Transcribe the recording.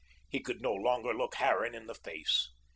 He could no longer look Harran in the face.